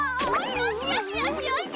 よしよしよしよし。